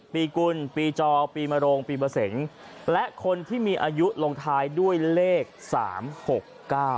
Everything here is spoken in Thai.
ปีกุลปีจอปีมโรงปีมะเสงและคนที่มีอายุลงท้ายด้วยเลขสามหกเก้า